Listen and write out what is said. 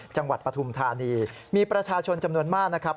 ปฐุมธานีมีประชาชนจำนวนมากนะครับ